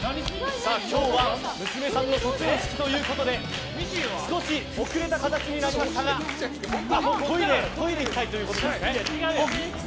今日は娘さんの卒園式ということで少し遅れた形になりましたがトイレに行きたいということですね。